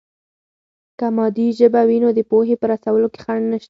که مادي ژبه وي، نو د پوهې په رسولو کې خنډ نشته.